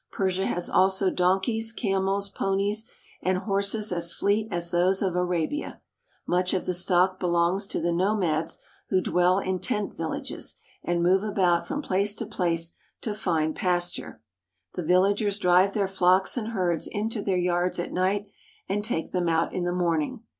Persia has also donkeys, camels, ponies; and horses as fleet as those of Arabia. Much of the stock belongs to the nomads, who dwell in tent villages and move about from place to place to find pasture. The villagers drive their flocks and herds into their yards at night, and take them out in the morning.